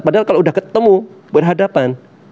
padahal kalau sudah ketemu berhadapan